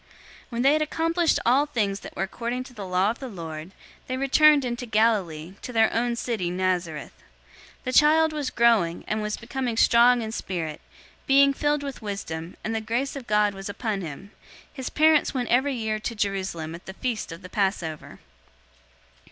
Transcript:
002:039 When they had accomplished all things that were according to the law of the Lord, they returned into Galilee, to their own city, Nazareth. 002:040 The child was growing, and was becoming strong in spirit, being filled with wisdom, and the grace of God was upon him. 002:041 His parents went every year to Jerusalem at the feast of the Passover.